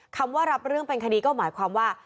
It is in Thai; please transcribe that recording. คำว่ารับเรื่องเป็นคดีก็หมายความว่า